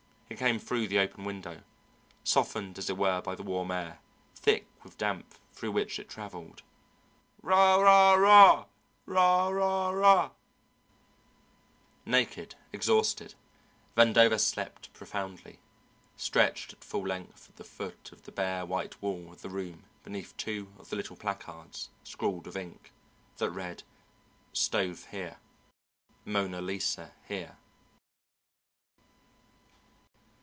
It came through the open window, softened as it were by the warm air, thick with damp, through which it travelled: "Rah, rah, rah! Rah, rah, rah!" Naked, exhausted, Vandover slept profoundly, stretched at full length at the foot of the bare, white wall of the room beneath two of the little placards, scrawled with ink, that read, "Stove Here"; "Mona Lisa Here."